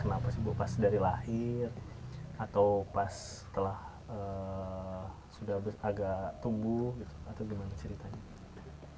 kenapa sih bu pas dari lahir atau pas telah agak tumbuh gitu atau gimana ceritanya